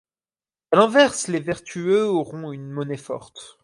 À l'inverse, les vertueux auront une monnaie forte.